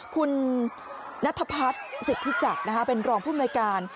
คุณนัทพัฒน์สิทธิจักรเป็นรองภูมิหน่วยการ